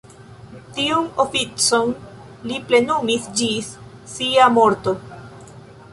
Tiun oficon li plenumis ĝis sia morto.